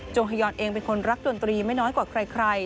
งฮยอนเองเป็นคนรักดนตรีไม่น้อยกว่าใคร